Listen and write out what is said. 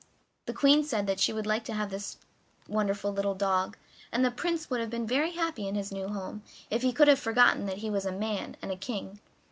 The Queen said she would like to have this wonderful little dog, and the Prince would have been very happy in his new home if he could have forgotten that he was a man and a king.